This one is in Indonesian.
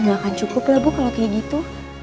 nggak akan cukup lah bu kalau kayak gitu